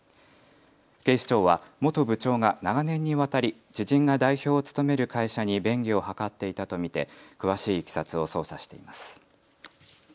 警視庁は元部長が長年にわたり知人が代表を務める会社に便宜を図っていたと見て詳しいいきさつを捜査しています。